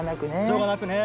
しょうがなくね。